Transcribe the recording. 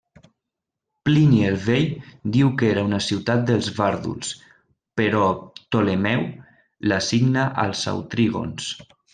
Plini el Vell diu que era una ciutat dels vàrduls, però Ptolemeu l'assigna als autrígons.